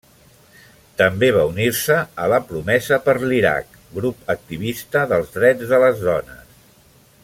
També va unir-se a La Promesa per l'Iraq, grup activista dels drets de les dones.